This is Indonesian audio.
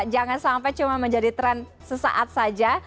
jangan sampai cuma menjadi tren sesaat saja